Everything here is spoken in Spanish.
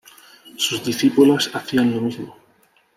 Sus discípulos hacían lo mismo.